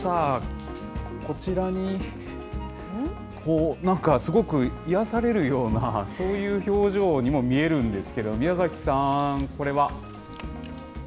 こちらに、なんかすごく癒やされるような、そういう表情にも見えるんですけど、宮崎さん、これは。